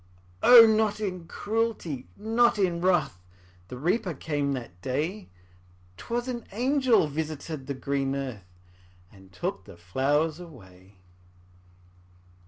O, not in cruelty, not in wrath, The Reaper came that day; 'Twas an angel visited the green earth, And took the flowers away.